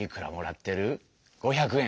５００円？